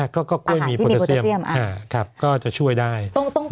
ก็กล้วยมีพอเทสเซียมครับก็จะช่วยได้